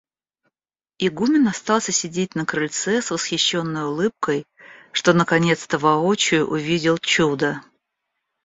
Игумен остался сидеть на крыльце с восхищенной улыбкой, что наконец-то воочию увидел чудо.